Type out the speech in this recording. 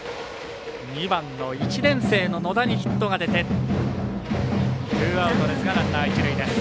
２番の１年生の野田にヒットが出てツーアウトですがランナー、一塁です。